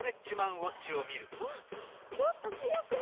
んあっちょっとつよくなってる！